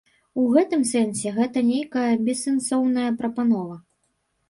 У гэтым сэнсе гэта нейкая бессэнсоўная прапанова.